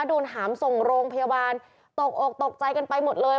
โดนหามส่งโรงพยาบาลตกอกตกใจกันไปหมดเลย